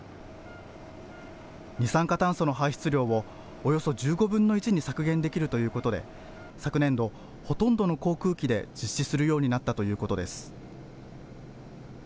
二酸化炭素の排出量をおよそ１５分の１に削減できるということで昨年度、ほとんどの航空機で実施するようになったということです。